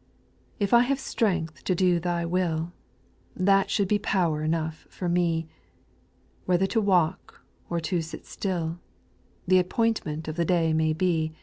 ■ If I have strength to do Thy will, That should be power enough for me ; Whether to walk or to sit still, Th' appointment of the day may be.